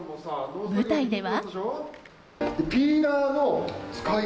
舞台では。